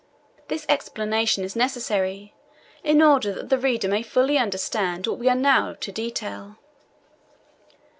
This explanation is necessary, in order that the reader may fully understand what we are now to detail.